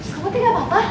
kamu tega apa apa